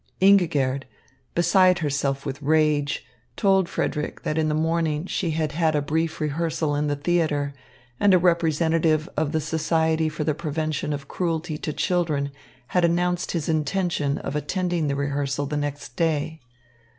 Ingigerd, beside herself with rage, told Frederick that in the morning she had had a brief rehearsal in the theatre, and a representative of the Society for the Prevention of Cruelty to Children had announced his intention of attending the rehearsal the next day.